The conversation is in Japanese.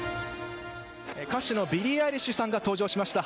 歌手のビリー・アイリッシュさんが登場しました。